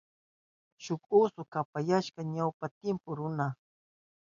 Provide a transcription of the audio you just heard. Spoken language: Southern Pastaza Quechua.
Shuk oso kapayashka ñawpa timpu runa.